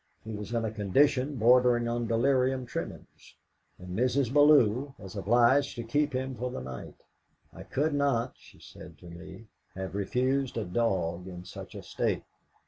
He was in a condition bordering on delirium tremens, and Mrs. Bellew was obliged to keep him for the night. 'I could not,' she said to me, 'have refused a dog in such a state.'